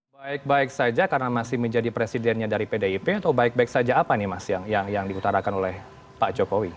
baik baik saja karena masih menjadi presidennya dari pdip atau baik baik saja apa nih mas yang diutarakan oleh pak jokowi